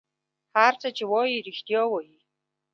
هر څه چې وایي رېښتیا وایي.